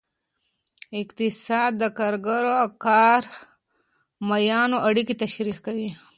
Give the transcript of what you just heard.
اقتصاد د کارګرو او کارفرمایانو اړیکې تشریح کوي.